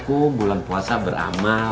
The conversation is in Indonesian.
kum bulan puasa beramal